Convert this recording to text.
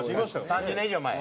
３０年以上前。